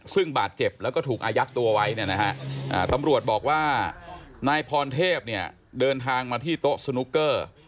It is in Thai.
ซึ่งบาดเจ็บแล้วก็ถูกอายัดตัวไว้เนี่ยนะฮะตำรวจบอกว่านายพรเทพเนี่ยเดินทางมาที่โต๊ะสนุกเกอร์